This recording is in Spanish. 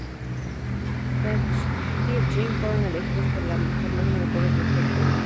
Teach-In fueron elegidos por más de la mitad del voto del público.